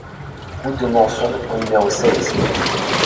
Route de Manson au numéro seize